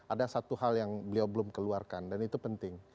ada satu hal yang beliau belum keluarkan dan itu penting